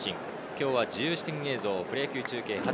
今日は自由視点映像、プロ野球中継初。